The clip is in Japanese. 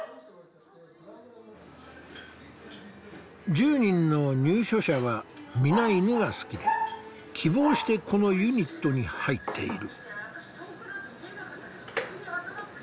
１０人の入所者は皆犬が好きで希望してこのユニットに入っている。